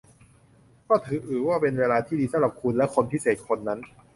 ก็ถือว่าเป็นเวลาที่ดีสำหรับคุณและคนพิเศษคนนั้น